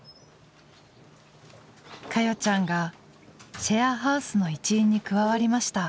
華代ちゃんがシェアハウスの一員に加わりました。